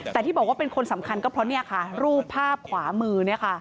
แต่ที่บอกว่าเป็นคนสำคัญก็เพราะรูปภาพขวามือ